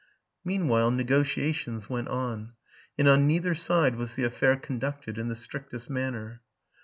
Meanwhile, negotiations went on; and on neither side was the affair conducted in the strictest manner.